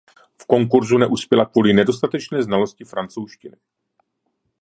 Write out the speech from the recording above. V konkurzu neuspěla kvůli nedostatečné znalosti francouzštiny.